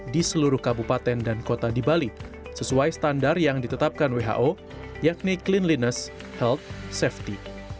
di seluruh kabupaten dan kota di bali sesuai standar yang ditetapkan who yakni cleanliness health safety